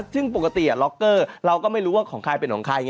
ซึ่งปกติล็อกเกอร์เราก็ไม่รู้ว่าของใครเป็นของใคร